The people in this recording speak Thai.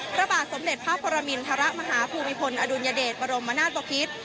พระบาทสมเด็จพระปรมินทรมาฮภูมิพลอดุลยเดชบรมนาศบพิษ